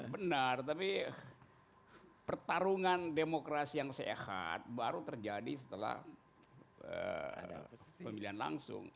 benar tapi pertarungan demokrasi yang sehat baru terjadi setelah pemilihan langsung